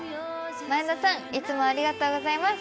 前田さんいつもありがとうございます。